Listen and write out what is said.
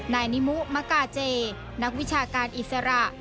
นายนิมุมกาเจนักวิชาการอิสระ